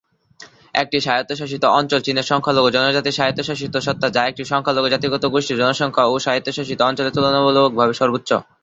একটি স্বায়ত্তশাসিত অঞ্চল চীনের সংখ্যালঘু জনজাতির স্বায়ত্তশাসিত সত্তা, যা একটি সংখ্যালঘু জাতিগত গোষ্ঠীর জনসংখ্যা ওই স্বায়ত্বশাসিত অঞ্চলে তুলনামূলকভাবে সর্বোচ্চ।